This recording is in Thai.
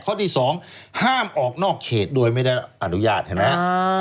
ข้อที่๒ห้ามออกนอกเขตโดยไม่ได้อนุญาตเห็นไหม